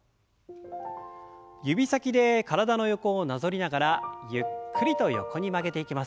指先で体の横をなぞりながらゆっくりと横に曲げていきます。